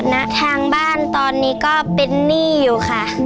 ณทางบ้านตอนนี้ก็เป็นหนี้อยู่ค่ะ